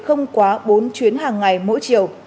không quá bốn chuyến hàng ngày mỗi chiều